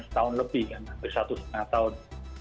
setahun lebih kan hampir satu setengah tahun